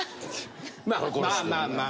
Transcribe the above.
まあまあまあまあ。